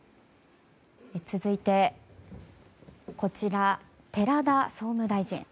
続いて、こちら寺田総務大臣。